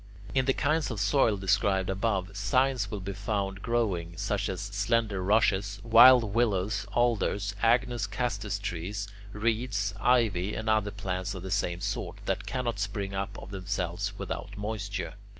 In the kinds of soil described above, signs will be found growing, such as slender rushes, wild willows, alders, agnus castus trees, reeds, ivy, and other plants of the same sort that cannot spring up of themselves without moisture.